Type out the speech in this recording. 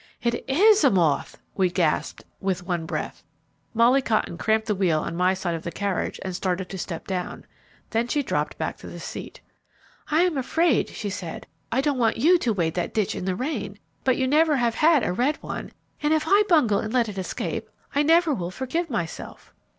"It is a moth!" we gasped, with one breath. Molly Cotton cramped the wheel on my side of the carriage and started to step down. Then she dropped back to the seat. "I am afraid," she said. "I don't want you to wade that ditch in the rain, but you never have had a red one, and if I bungle and let it escape, I never will forgive myself."